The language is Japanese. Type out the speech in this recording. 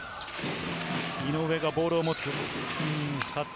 井上がボールを持つ。